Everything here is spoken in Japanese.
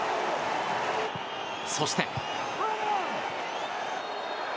そして。